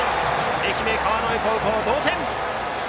愛媛・川之江高校、同点！